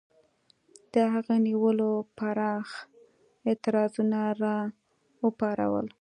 د هغې نیولو پراخ اعتراضونه را وپارول.